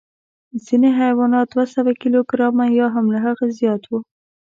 ځینې حیوانات دوه سوه کیلو ګرامه یا له هغه زیات وو.